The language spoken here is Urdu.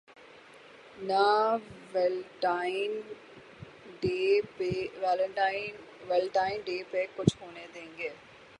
نہ ویلٹائن ڈے پہ کچھ ہونے دیں گے۔